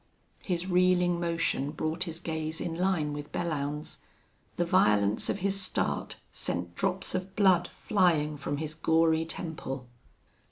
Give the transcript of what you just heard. His reeling motion brought his gaze in line with Belllounds. The violence of his start sent drops of blood flying from his gory temple.